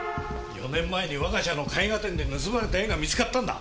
４年前に我が社の絵画展で盗まれた絵が見つかったんだ！